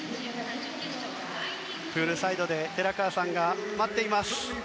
プールサイドで寺川さんが待っています。